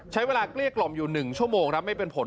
เกลี้ยกล่อมอยู่๑ชั่วโมงครับไม่เป็นผล